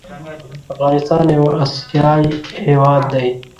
افغانستان يو اسياى هيواد دى